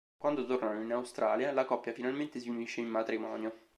Quando tornano in Australia, la coppia finalmente si unisce in matrimonio.